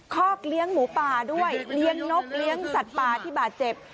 คอกเลี้ยงหมูป่าด้วยเลี้ยงนกเลี้ยงสัตว์ป่าที่บาดเจ็บ